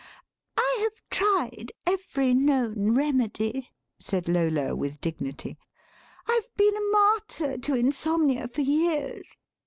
"I have tried every known remedy," said Lola, with dignity; "I've been a martyr to insomnia for years."